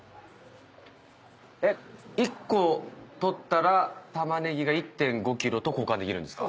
えっ１個取ったら玉ねぎが１．５キロと交換できるんですか？